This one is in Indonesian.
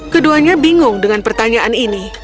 keduanya bingung dengan pertanyaan ini